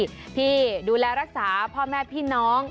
ที่ดูแลรักษาพ่อแม่พี่น้อง